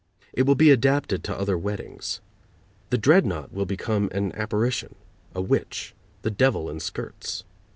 It will be adapted to other weddings. The dreadnaught will become an apparition, a witch, the Devil in skirts.